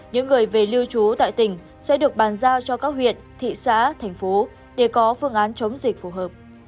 những người về lưu trú tại tỉnh sẽ được bàn giao cho các huyện thị xã thành phố để có phương án chống dịch phù hợp